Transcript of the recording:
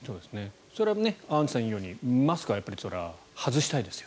それはアンジュさんが言うようにマスクは外したいですよ。